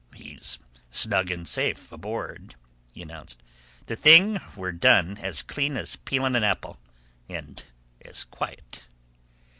"He's snug and safe aboard," he announced. "The thing were done as clean as peeling an apple, and as quiet."